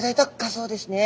そうですね。